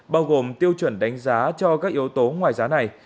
bao gồm tiêu chuẩn đánh giá cho các yếu tố ngoài giá này